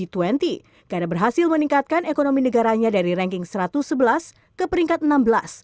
turki masih ingin menjadi anggota uni eropa